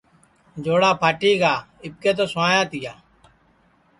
جوڑا پھاٹی گا آٻکے تو سوایا تیا